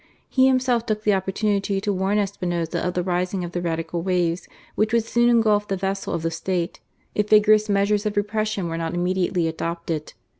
He himself took the oppor tunity to warn Espinoza of the rising of the Radical waves, which would soon engulph the vessel of the State if vigorous measures of repression were not immediately adopted.